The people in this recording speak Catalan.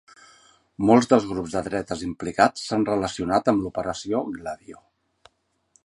Molts dels grups de dretes implicats s"han relacionat amb l"Operació Gladio.